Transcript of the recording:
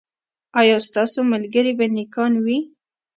ایا ستاسو ملګري به نیکان وي؟